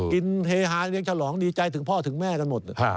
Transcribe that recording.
เฮฮาเลี้ยงฉลองดีใจถึงพ่อถึงแม่กันหมด